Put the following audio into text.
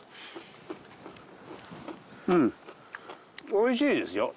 美味しいですよ。